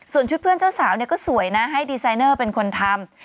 ส่วนชุดเพื่อนเจ้าสาวเนี่ยก็สวยนะให้ดีไซเนอร์เป็นคนทำ